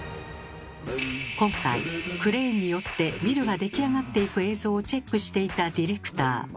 今回クレーンによってビルが出来上がっていく映像をチェックしていたディレクター。